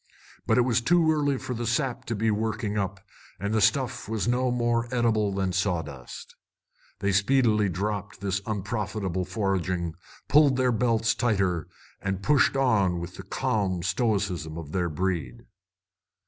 But it was too early for the sap to be working up, and the stuff was no more eatable than sawdust. They speedily dropped this unprofitable foraging, pulled their belts tighter, and pushed on with the calm stoicism of their breed.